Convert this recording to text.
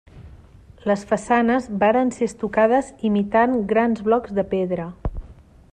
Les façanes varen ser estucades imitant grans blocs de pedra.